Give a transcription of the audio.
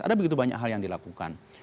ada begitu banyak hal yang dilakukan